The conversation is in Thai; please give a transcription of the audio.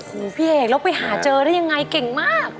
โอ้โหพี่เอกแล้วไปหาเจอได้ยังไงเก่งมาก